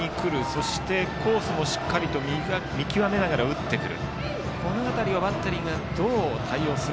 そして、コースもしっかりと見極めながら打ってくる。